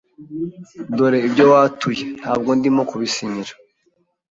"Dore ibyo watuye." "Ntabwo ndimo kubisinyira."